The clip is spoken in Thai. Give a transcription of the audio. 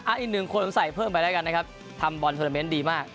เนี่ยอีกหนึ่งคนใส่พิมพ์ไปแล้วกันนะครับทำบอลโทวสเตอร์เมนต์ดีมาก